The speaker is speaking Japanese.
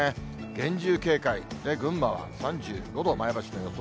厳重警戒、群馬は３５度、前橋の予想